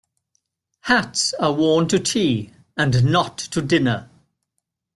Hats are worn to tea and not to dinner.